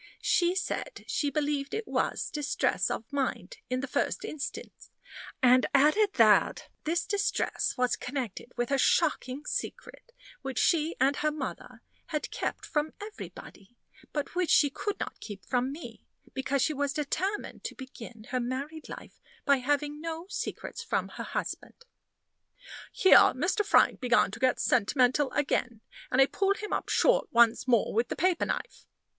She said she believed it was distress of mind in the first instance; and added that this distress was connected with a shocking secret, which she and her mother had kept from everybody, but which she could not keep from me, because she was determined to begin her married life by having no secrets from her husband." Here Mr. Frank began to get sentimental again, and I pulled him up short once more with the paper knife.